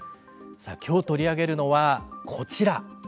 今日取り上げるのはこちら。